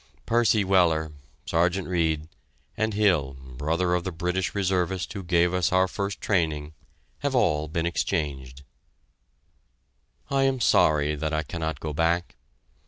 Percy Weller, Sergeant Reid, and Hill, brother of the British Reservist who gave us our first training, have all been exchanged. I am sorry that I cannot go back.